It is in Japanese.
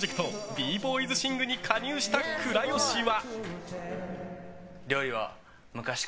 Ｄ‐ＢＯＹＳＳＩＮＧに加入した倉由は。